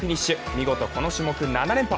見事この種目７連覇。